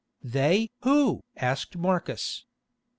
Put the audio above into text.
"They! Who?" asked Marcus.